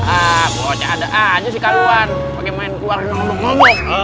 ah bocok ada aja sih kawan pakai main keluar ngomong ngomong